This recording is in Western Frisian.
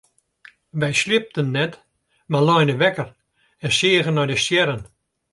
Wy sliepten net mar leine wekker en seagen nei de stjerren.